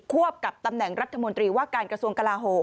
วบกับตำแหน่งรัฐมนตรีว่าการกระทรวงกลาโหม